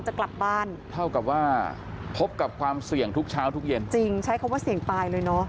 ใช้คำว่าเสี่ยงตายเลยเนอะ